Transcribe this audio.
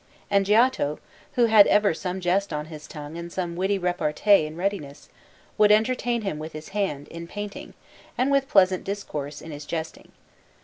And Giotto, who had ever some jest on his tongue and some witty repartee in readiness, would entertain him with his hand, in painting, and with pleasant discourse, in his jesting.